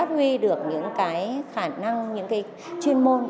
theo cảm nhận của em